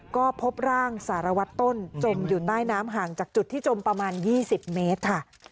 ก็พบร่างสารวัตรต้นจมอยู่ใต้น้ำห่างจากจุดที่จมประมาณ๒๐เมตรค่ะ